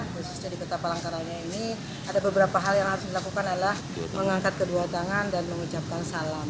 khususnya di kota palangkaraya ini ada beberapa hal yang harus dilakukan adalah mengangkat kedua tangan dan mengucapkan salam